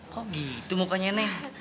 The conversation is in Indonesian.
kok gitu mukanya nih